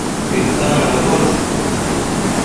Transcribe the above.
titan accosh